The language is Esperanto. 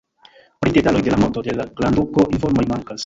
Pri detaloj de la morto de la grandduko informoj mankas.